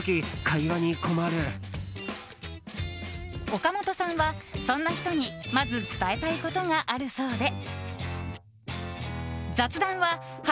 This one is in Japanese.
岡本さんは、そんな人にまず伝えたいことがあるそうで。